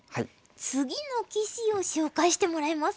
次の棋士を紹介してもらえますか？